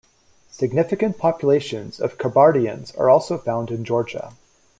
Significant populations of Kabardians are also found in Georgia.